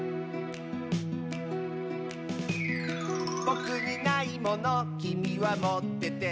「ぼくにないものきみはもってて」